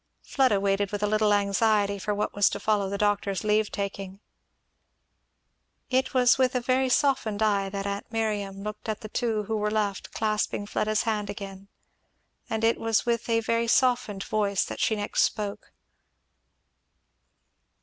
Fleda waited with a little anxiety for what was to follow the doctor's leave taking. It was with a very softened eye that aunt Miriam looked at the two who were left, clasping Fleda's hand again; and it was with a very softened voice that she next spoke.